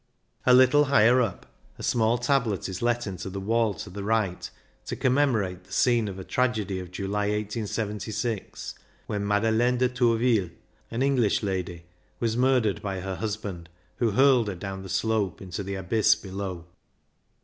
A little higher up a small tablet is let into the wall to the right, to commemorate the scene of a tragedy of July, 1876, when Madeleine de Tourville, an English lady, was mur dered by her husband, who hurled her down the slope into the abyss below.